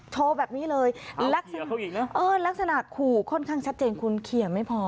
โชว์แบบนี้เลยลักษณะขู่ค่อนข้างชัดเจนคุณเขียนไม่พอ